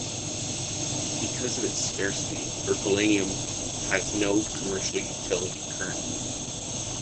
Because of its scarcity, berkelium has no commercial utility currently.